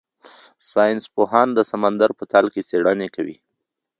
ساینس پوهان د سمندر په تل کې څېړنې کوي.